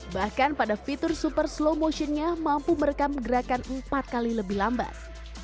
bahkan pada fitur super slow motionnya mampu merekam gerakan empat kali lebih lambat